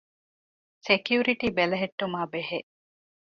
ސެކިއުރިޓީ ބެލެހެއްޓުމާ ބެހޭ